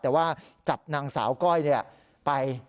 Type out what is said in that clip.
แต่ว่าจับนางสาวก้อยไป